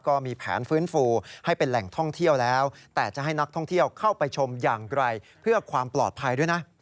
ก็มีแผนฟื้นฟูให้เป็นแหล่งท่องเที่ยวแล้วแต่จะให้นักท่องเที่ยวเข้าไปชมอย่างไกลเพื่อความปลอดภัยด้วยนะ